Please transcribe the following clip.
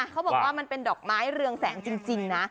เขาบอกว่ามันเป็นดอกไม้เรืองแสงจริงนะ